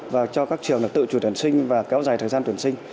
và cho các trường tự chủ tuyển sinh và kéo dài thời gian tuyển sinh